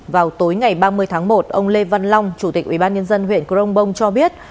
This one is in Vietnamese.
vào tối ngày ba mươi tháng một ông lê văn long chủ tịch ubnd huyện crong bông cho biết